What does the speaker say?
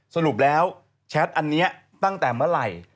สรุปแล้วแชทอันนี้ตั้งแต่เมื่อไหร่